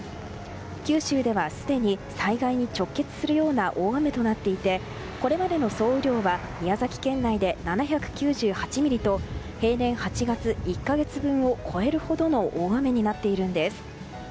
九州ではすでに災害に直結するような大雨となっていてこれまでの総雨量は宮崎県内で７９８ミリと平年８月１か月分を超えるほどの大雨になっているんです。